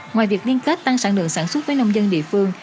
ngoài việc liên kết tăng sản lượng sản xuất với nông dân địa phương